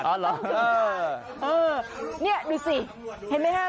มันต้องเล่นได้นี่ดูสิเห็นมั้ยคะ